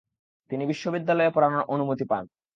তিনি বিশ্ববিদ্যালয়ে পড়ানোর অনুমতি পান।